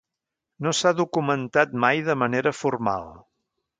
No s'ha documentat mai de manera formal.